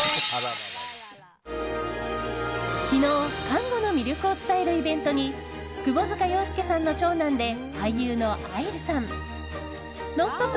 昨日、看護の魅力を伝えるイベントに窪塚洋介さんの長男で俳優の愛流さん「ノンストップ！」